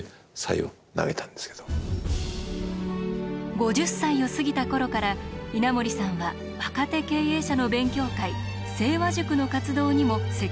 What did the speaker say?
５０歳を過ぎた頃から稲盛さんは若手経営者の勉強会盛和塾の活動にも積極的に取り組みます。